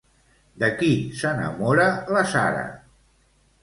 De qui s'enamora la Sarah?